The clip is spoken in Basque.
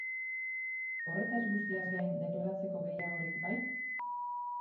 Horretaz guztiaz gain, deklaratzeko gehiagorik bai?